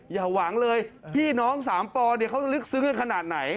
อย่าหวังเลยพี่น้องสามปอเนี่ยเขาจะลึกซึ้งกันขนาดไหน